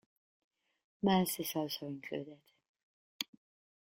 Mells is also included.